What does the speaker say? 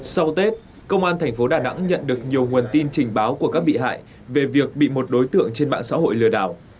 sau tết công an tp đà nẵng nhận được nhiều nguồn tin trình báo của các bị hại về việc bị một đối tượng trên mạng xã hội lừa đảo